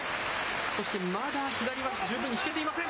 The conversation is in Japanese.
そしてまだ左は十分に引けていません。